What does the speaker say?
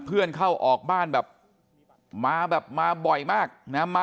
เพื่อนเข้าออกบ้านแบบมาแบบมาบ่อยมากนะฮะ